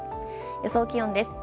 予想気温です。